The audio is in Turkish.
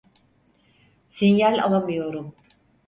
Sinyal alamıyorum.